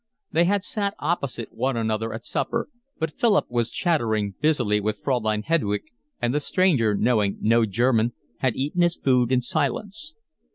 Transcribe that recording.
They had sat opposite one another at supper, but Philip was chattering busily with Fraulein Hedwig, and the stranger, knowing no German, had eaten his food in silence.